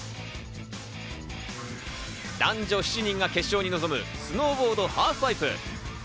男女７人が決勝に臨むスノーボード・ハーフパイプ。